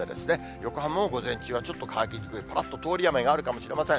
横浜も午前中はちょっと乾きにくい、ぱらっと通り雨があるかもしれません。